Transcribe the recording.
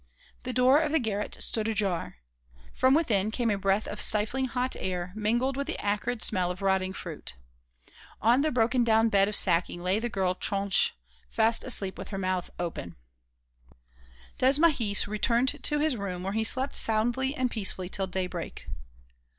The door of the garret stood ajar. From within came a breath of stifling hot air, mingled with the acrid smell of rotting fruit. On the broken down bed of sacking lay the girl Tronche, fast asleep with her mouth open. Desmahis returned to his room, where he slept soundly and peacefully till daybreak.